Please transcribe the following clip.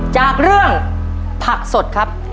จากเรื่องผักสดครับ